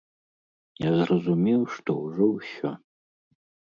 Я зразумеў, што ўжо ўсё.